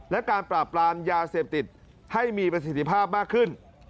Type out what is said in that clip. และการปราบปรามยาเสพติดให้มีประสิทธิภาพมากขึ้น